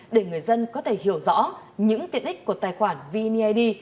để người dân có thể hiểu rõ những tiện ích của tài khoản vned